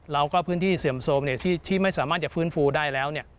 เราก็พื้นที่เสื่อมโทรมที่ไม่สามารถจะฟื้นฟูได้แล้ว